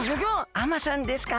あまさんですか？